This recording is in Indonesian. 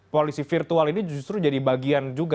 polisi virtual ini justru jadi bagian juga